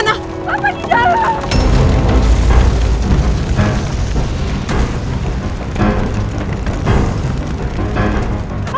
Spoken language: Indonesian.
respons di cawin ya